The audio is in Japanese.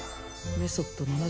メソッド